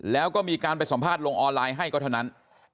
แล้วก็มีการไปสัมภาษณ์ลงออนไลน์ให้ก็เท่านั้น